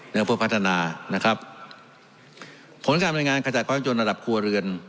แล้วเพื่อพัฒนานะครับผลการบรรยายงานขจัดความจนระดับครัวเรือน